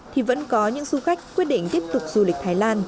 thì vẫn có những du khách quyết định tiếp tục du lịch thái lan